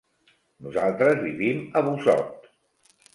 Nosaltres vivim a Busot.